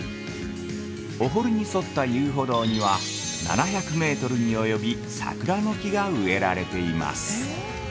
お堀に沿った遊歩道には７００メートルに及び桜の木が植えられています。